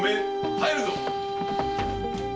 入るぞ！